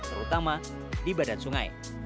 terutama di badan sungai